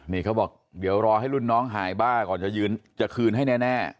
นี่เขาบอกเดี๋ยวรอให้รุ่นน้องหายบ้าก่อนจะคืนให้แน่